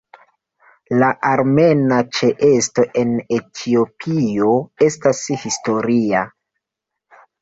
La armena ĉeesto en Etiopio estas historia.